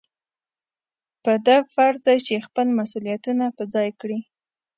په ده فرض دی چې خپل مسؤلیتونه په ځای کړي.